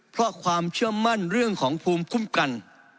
เพราะความเชื่อมั่นเรื่องของภูมิคุ้มกัน